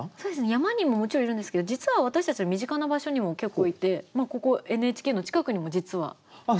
山にももちろんいるんですけど実は私たちの身近な場所にも結構いてここＮＨＫの近くにも実は。